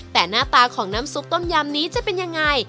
แต่หน้าตาของน้ำซุปต้มยำนี้จะเป็นยังไง